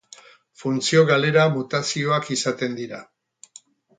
Funtzio galera mutazioak izaten dira.